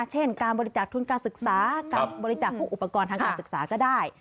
เช่นการบริจาคทุนการศึกษาการบริจาคพวกอุปกรณ์ทางการศึกษาก็ได้